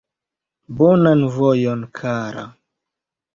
Bonan vojon, kara!